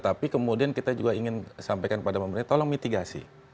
tapi kemudian kita juga ingin sampaikan kepada pemerintah tolong mitigasi